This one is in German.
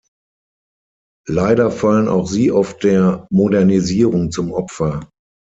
Leider fallen auch sie oft der „Modernisierung“ zum Opfer.